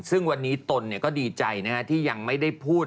ซึ่งวันนี้ตนก็ดีใจที่ยังไม่ได้พูด